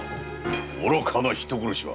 愚かな人殺しは。